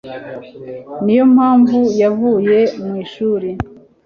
Niyo mpamvu yavuye mu ishuri